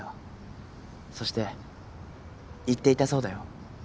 そして言っていたそうだよ。